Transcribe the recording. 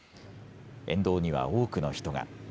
沿道には多くの人が。